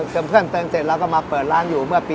เสร็จแล้วก็มาเปิดร้านอยู่เมื่อปี๑๕